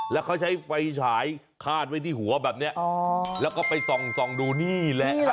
แล้วเขาใช้ไฟฉายคาดไว้ที่หัวแบบนี้แล้วก็ไปส่องดูนี่แหละ